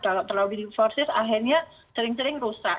kalau terlalu di reforces akhirnya sering sering rusak